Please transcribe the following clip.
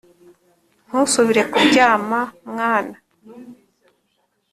ntusubire kuryama mwana